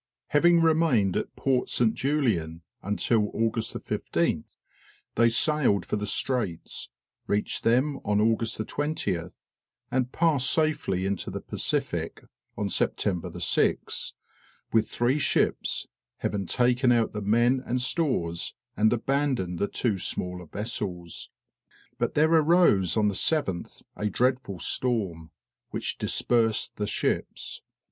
Having remained at Port St. Julian until August 15th, they sailed for the Straits, reached them August 20th, and passed safely into the Pacific, September 6th, with three ships, having taken out the men and stores, and abandoned the two smaller vessels. But there arose on the 7th a dreadful storm, which dispersed the ships.